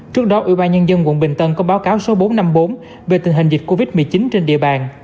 trước đó ủy ban nhân dân quận bình tân có báo cáo số bốn trăm năm mươi bốn về tình hình dịch covid một mươi chín trên địa bàn